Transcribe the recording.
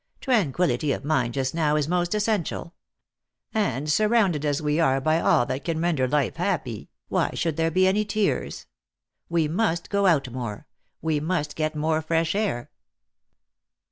Tranquillity of mind just now is most essential; and, sur rounded as we are by all that can render life happy, why should there be any tears ? We must go out more ; we must get more fresh air.''